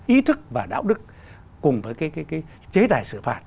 ý thức và đạo đức cùng với cái chế tài xử phạt